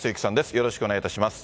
よろしくお願いします。